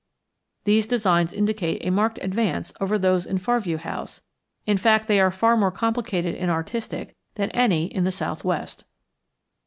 These designs indicate a marked advance over those in Far View House; in fact they are far more complicated and artistic than any in the southwest.